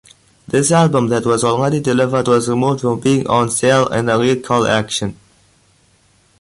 This album that was already delivered was removed from being on sale in a recall action.